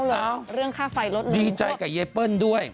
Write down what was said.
เล่าเลยเรื่องค่าไฟลดลงพวกดีใจกับเย้เปิ้ลด้วย